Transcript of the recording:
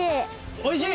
おいしい？